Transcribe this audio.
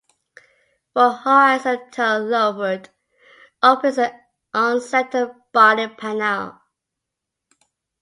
Four horizontal louvred openings on center body panel.